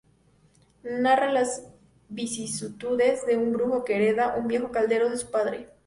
Narra las vicisitudes de un brujo que hereda un viejo caldero de su padre.